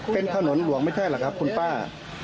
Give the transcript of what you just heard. เป็นถนนหลวงไม่ใช่หรอกครับคุณป้า